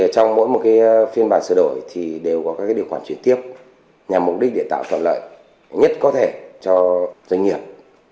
trong mỗi một phiên bản sửa đổi thì đều có các điều khoản chuyển tiếp nhằm mục đích để tạo thuận lợi nhất có thể cho doanh nghiệp